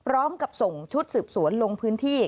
พร้อมกับส่งชุดสืบสวนลงพื้นที่